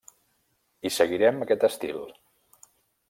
I seguirem aquest estil.